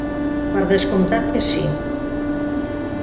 Per descomptat que sí.